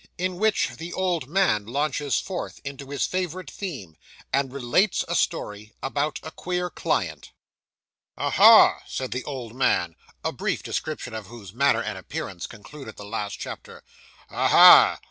IN WHICH THE OLD MAN LAUNCHES FORTH INTO HIS FAVOURITE THEME, AND RELATES A STORY ABOUT A QUEER CLIENT 'Aha!' said the old man, a brief description of whose manner and appearance concluded the last chapter, 'aha!